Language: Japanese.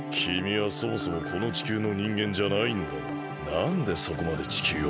なんでそこまで地球をまもる？